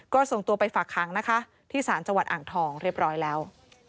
ก็ส่งตัวไปฝากค้างนะคะที่ศาลจังหวัดอ่างทองเรียบร้อยแล้ว